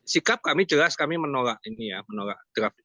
sikap kami jelas kami menolak ini ya menolak